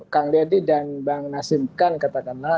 kang ledi dan bang nasim khan katakanlah